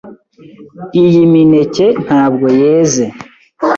Iyi mineke ntabwo yeze.